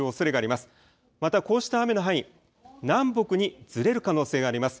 またこうした雨の範囲、南北にずれる可能性があります。